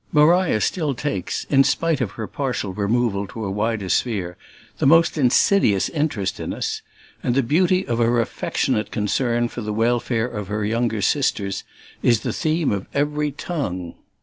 Maria still takes, in spite of her partial removal to a wider sphere, the most insidious interest in us, and the beauty of her affectionate concern for the welfare of her younger sisters is the theme of every tongue.